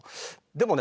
でもね